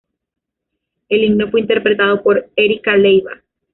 El himno fue interpretado por Erika Leiva.